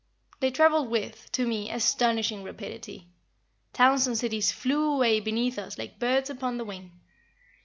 They traveled with, to me, astonishing rapidity. Towns and cities flew away beneath us like birds upon the wing.